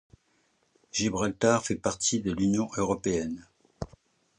Gibraltar fait partie de l'Union européenne.